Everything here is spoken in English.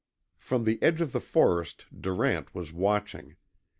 From the edge of the forest Durant was watching.